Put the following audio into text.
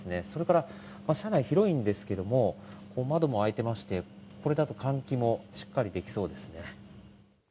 それから車内広いんですけれども、窓も開いてまして、これだと、換気もしっかりできそうですね。